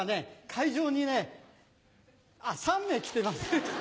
会場にね３名来てます。